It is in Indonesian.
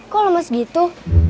kok lama segitu